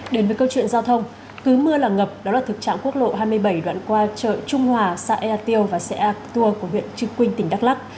đến với câu chuyện giao thông cứ mưa là ngập đó là thực trạng quốc lộ hai mươi bảy đoạn qua chợ trung hòa xã ea tiêu và xã ea cua của huyện trực quynh tỉnh đắk lắc